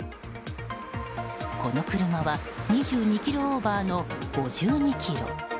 この車は２２キロオーバーの５２キロ。